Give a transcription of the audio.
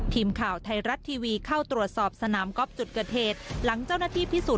ทีมข่าวไทยรัฐทีวีเข้าตรวจสอบสนามก๊อฟจุดเกิดเหตุหลังเจ้าหน้าที่พิสูจน